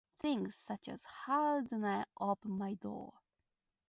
Things such as how do I open my door?